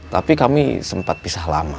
tapi kami sempat pisah lama